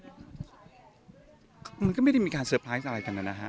เป็นไหมนะครับไม่มีการเศรษฐ์อะไรของหนุ่มนะฮะ